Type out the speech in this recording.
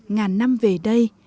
ngàn năm về đây